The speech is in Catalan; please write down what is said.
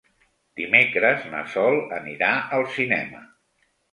Dimecres na Sol anirà al cinema.